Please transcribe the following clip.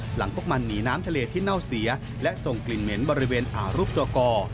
หลังพวกมันหนีน้ำทะเลที่เน่าเสียและส่งกลิ่นเหม็นบริเวณอ่าวรูปตัวกอ